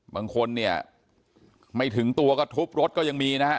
บางคนเนี่ยไม่ถึงตัวก็ทุบรถก็ยังมีนะฮะ